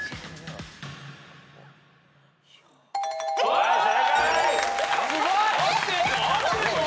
はい正解。